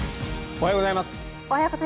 おはようございます。